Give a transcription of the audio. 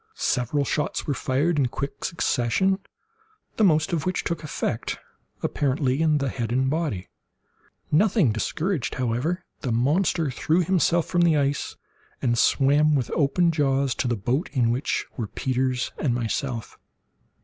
Several shots were fired in quick succession, the most of which took effect, apparently, in the head and body. Nothing discouraged, however, the monster threw himself from the ice, and swam with open jaws, to the boat in which were Peters and myself.